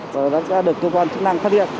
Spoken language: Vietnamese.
và đã được cơ quan chức năng phát hiện